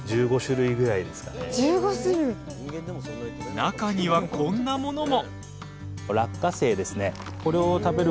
中には、こんなものも。